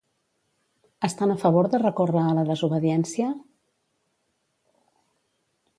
Estan a favor de recórrer a la desobediència?